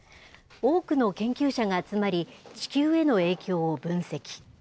多くの研究者が集まり、地球への影響を分析。